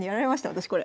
私これ。